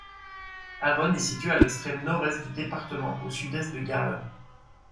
Haron est situé à l'extrême nord-est du département, au sud-est de Garlin.